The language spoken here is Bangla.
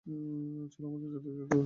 চলো আমাদের জাতির দেবতার পূজা করি।